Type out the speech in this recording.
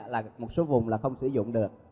là một số vùng là không sử dụng được